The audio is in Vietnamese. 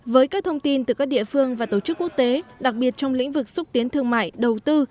với các thông tin từ các địa phương và tổ chức quốc tế đặc biệt trong lĩnh vực xúc tiến thương mại đầu tư